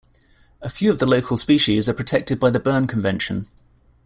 A few of the local species are protected by the Bern Convention.